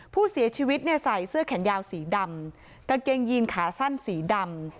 ผู้เสียชีวิตเนี่ยใส่เสื้อแขนยาวสีดำกางเกงยีนขาสั้นสีดำ